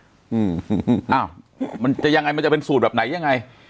อ้าวมันจะยังไงมันจะเป็นสูตรแบบไหนยังไง